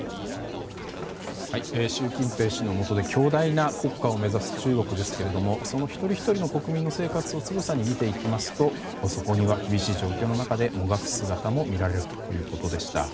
習近平氏のもとで強大な国家を目指す中国ですがその一人ひとりの国民の生活をつぶさに見ていきますとそこには厳しい状況の中でもがく姿も見られるということでした。